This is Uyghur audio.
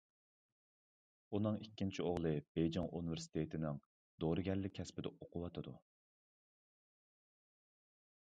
ئۇنىڭ ئىككىنچى ئوغلى بېيجىڭ ئۇنىۋېرسىتېتنىڭ دورىگەرلىك كەسپىدە ئوقۇۋاتىدۇ.